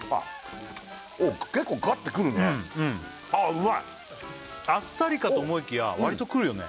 うんあっさりかと思いきやわりとくるよね